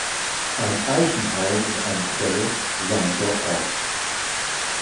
Ein Eichenhain und eine Quelle seien dort auch.